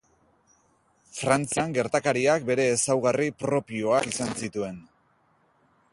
Frantzian gertakariak bere ezaugarri propioak izan zituen.